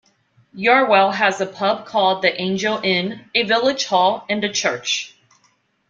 Yarwell has a pub called The Angel Inn, a village hall and a church.